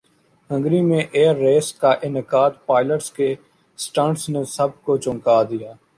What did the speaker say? Hungary میں air race کا انعقادپائلٹس کے سٹنٹس نے سب کو چونکا دیا